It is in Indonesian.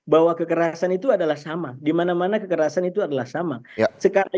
bahwa kekerasan itu adalah sama dimana mana kekerasan itu adalah sama sekali